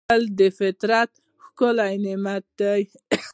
ګل د فطرت ښکلی نعمت دی.